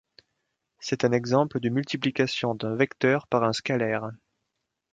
C'est un exemple de multiplication d'un vecteur par un scalaire.